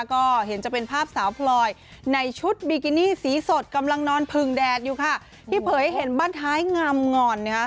ก็เห็นจะเป็นภาพสาวพลอยในชุดบิกินี่สีสดกำลังนอนผึงแดดอยู่ค่ะที่เผยให้เห็นบ้านท้ายงำงอน